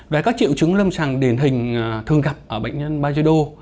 về các triệu chứng lâm sàng điển hình thường gặp ở bệnh nhân bajedo